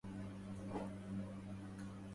ضعي على عينيك بلورة